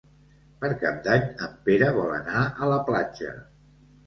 Per Cap d'Any en Pere vol anar a la platja.